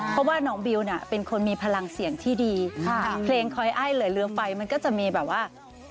เพราะว่าน้องบิวเนี่ยเป็นคนมีพลังเสียงที่ดีค่ะเพลงคอยไอ้เหลือเรือไฟมันก็จะมีแบบว่า